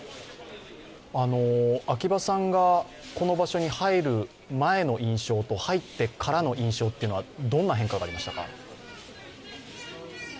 秋場さんがこの場所に入る前の印象と入ってからの印象はどんな変化がありましたか？